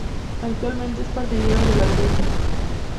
Actualmente es partidario de la derecha.